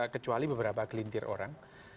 kecuali beberapa gelintir orang